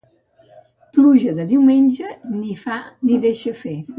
Pluja de diumenge, ni fa ni deixa fer.